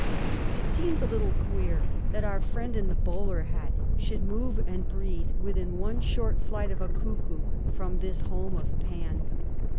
It seemed a little queer that our friend in the bowler hat should move and breathe within one short flight of a cuckoo from this home of Pan.